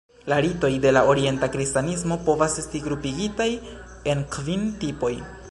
La ritoj de la Orienta Kristanismo povas esti grupigitaj en kvin tipoj.